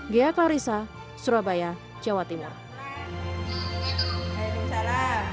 gaya clarissa surabaya jawa timur